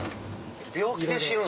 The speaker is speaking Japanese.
病気で死ぬん？